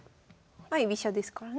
まあ居飛車ですからね。